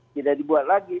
tidak dibuat lagi